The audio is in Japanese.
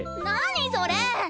何それ。